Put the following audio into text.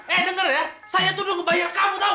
eh denger ya saya tuh belum ngebayar kamu tau